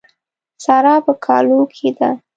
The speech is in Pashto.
سارا په کالو کې ده.